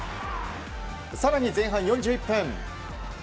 更に前半４１分。